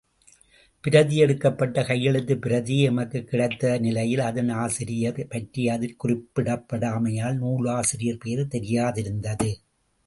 பிரதியெடுக்கப்பட்ட கையெழுத்துப்பிரதியே எமக்குக் கிடைத்த நிலையில் அதன் ஆசிரியர் பற்றி அதிற் குறிக்கப்படாமையால் நூலாசிரியர் பெயர் தெரியாதிருந்தது.